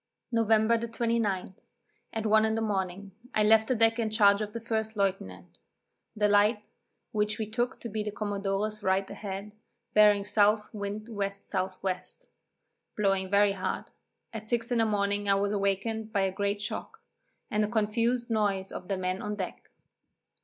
November the 29, at one in the morning, I left the deck in charge of the first lieutenant; the light, which we took to be the commodore's right ahead, bearing S. wind W. S. W. blowing very hard; at six in the morning I was awakened by a great shock, and a confused noise of the men on deck.